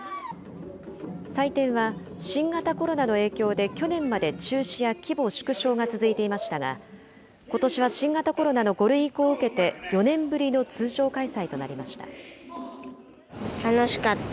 祭典は、新型コロナの影響で去年まで中止や規模縮小が続いていましたが、ことしは新型コロナの５類移行を受けて、４年ぶりの通常開催とな楽しかった。